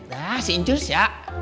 dah si incus ya